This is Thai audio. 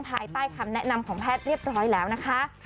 ภายใต้คำแนะนำของแพทย์เรียบร้อยแล้วนะคะ